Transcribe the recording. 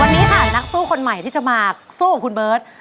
วันนี้ค่ะนักสู้คนใหม่ที่จะมาสู้กับคุณเบิร์ต